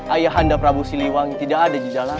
ayahanda prabu siliwangi tidak ada di dalam